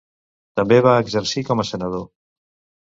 També va exercir com a senador.